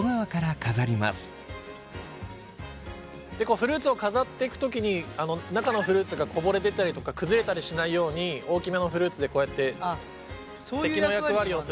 フルーツを飾っていく時に中のフルーツがこぼれ出たりとか崩れたりしないように大きめのフルーツでこうやって堰の役割をするので。